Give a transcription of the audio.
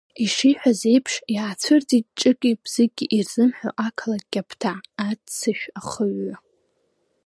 Ишиҳәаз еиԥш, иаацәырҵит ҿыки-бзыки ирзымҳәо ақалақь қьаԥҭа, аццышә ахыҩҩы.